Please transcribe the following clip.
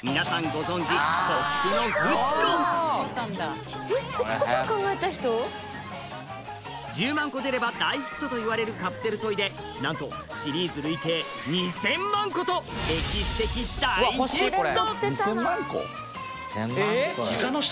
ご存じコップのフチ子１０万個出れば大ヒットと言われるカプセルトイでなんとシリーズ累計２０００万個と歴史的大ヒット２０００万個？